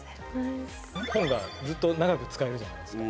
本がずっと長く使えるじゃないですか。